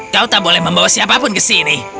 kau tak boleh membawa siapapun ke sini